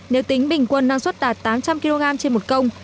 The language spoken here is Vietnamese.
nếu tính bình quân năng suất đạt tám trăm linh kg trên một công